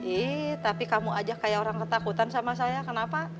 ih tapi kamu aja kayak orang ketakutan sama saya kenapa